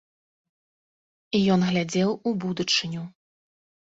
Ён глядзеў у будучыню.